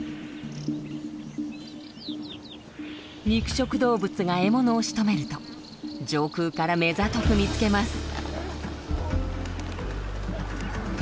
肉食動物が獲物をしとめると上空から目ざとく見つけます。